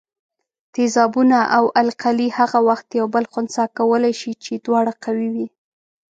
تیزابونه او القلي هغه وخت یو بل خنثي کولای شي چې دواړه قوي وي.